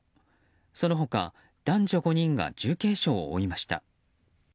その他男女５人が重軽傷を負いました。